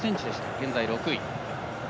現在６位。